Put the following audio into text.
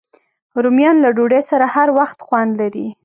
رومیان له ډوډۍ سره هر وخت خوند لري